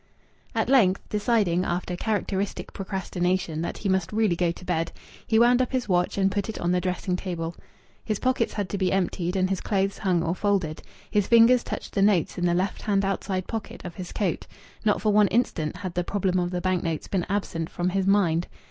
At length, deciding, after characteristic procrastination, that he must really go to bed, he wound up his watch and put it on the dressing table. His pockets had to be emptied and his clothes hung or folded. His fingers touched the notes in the left hand outside pocket of his coat. Not for one instant had the problem of the bank notes been absent from his mind.